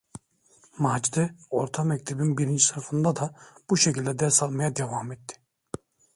Macide orta mektebin birinci sınıfında da bu şekilde ders almaya devam etti.